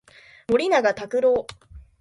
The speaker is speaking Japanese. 森永卓郎